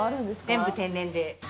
全部天然で。